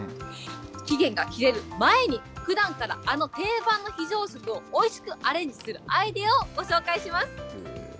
期限が切れる前に、ふだんからあの定番の非常食をおいしくアレンジするアイデアをご紹介します。